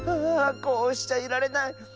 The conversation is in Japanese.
あこうしちゃいられない。